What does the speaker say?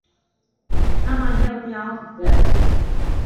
Come and help me out of this!’